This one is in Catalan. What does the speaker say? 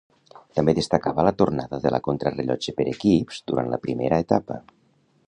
També destacava la tornada de la Contrarellotge per equips durant la primera etapa.